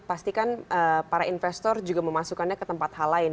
pastikan para investor juga memasukkannya ke tempat hal lain